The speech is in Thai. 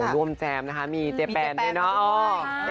ร่วมแจมนะคะมีเจแปนด้วยเนาะ